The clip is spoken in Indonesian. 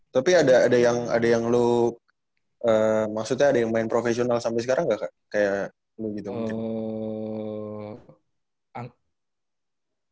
tapi ada yang lu maksudnya ada yang main profesional sampe sekarang gak kak kayak lu gitu mungkin